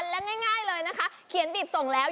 และง่ายเลยนะคะเขียนบีบส่งแล้ว